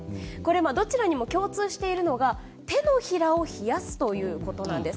どちらにも共通しているのが手のひらを冷やすということなんです。